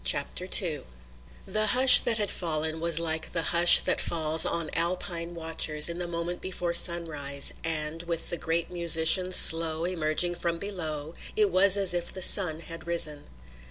CHAPTER II The hush that had fallen was like the hush that falls on Alpine watchers in the moment before sunrise, and, with the great musician's slow emerging from below, it was as if the sun had risen.